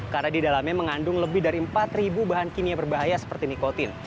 karena di dalamnya mengandung lebih dari empat bahan kinia berbahaya seperti nikotin